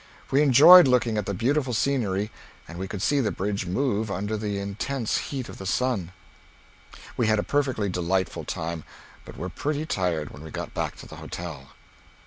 We enjoyed looking at the beautiful scenery and we could see the bridge moove under the intense heat of the sun. We had a perfectly delightful time, but weer pretty tired when we got back to the hotel.